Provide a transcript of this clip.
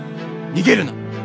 逃げるな！